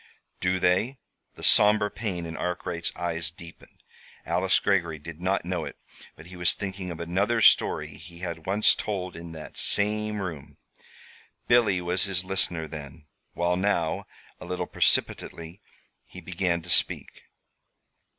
"Do they?" The somber pain in Arkwright's eyes deepened. Alice Greggory did not know it, but he was thinking of another story he had once told in that same room. Billy was his listener then, while now A little precipitately he began to speak.